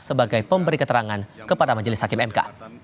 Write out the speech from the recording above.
sebagai pemberi keterangan kepada majelis hakim mk